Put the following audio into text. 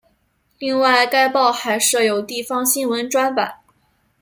另外该报还设有地方新闻专版。